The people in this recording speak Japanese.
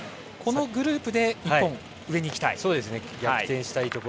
このグループで１本上にいきたい。